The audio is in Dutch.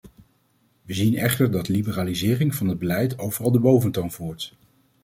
We zien echter dat liberalisering van het beleid overal de boventoon voert.